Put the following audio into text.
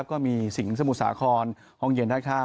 ก็มีสิงสมุสาครห่องเย็นท่าคา